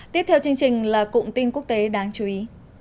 tiếp theo là cụm tin quốc tế đáng chú ý